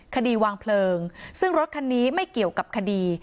คดีวางเพลิงซึ่งรถคันนี้ไม่เกี่ยวกับคดี